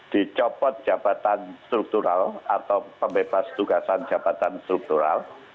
dicopot jabatan struktural atau pembebas tugasan jabatan struktural